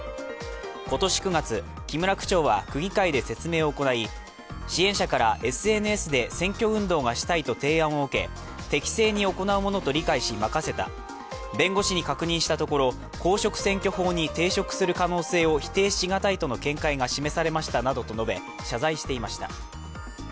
今年９月、木村区長は区議会で説明を行い支援者からＳＮＳで選挙運動がしたいと提案を受け適正に行うものと理解し任せた弁護士に確認したところ、公職選挙法に抵触する可能性を否定しがたいとの見解が示されましたなどと述べ、謝罪していました。